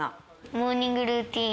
モーニングルーティン。